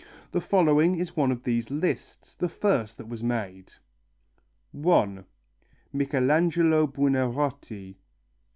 The following is one of these lists, the first that was made. 1. Michelangelo Buonarroti.